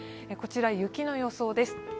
こちら、雪の予想です。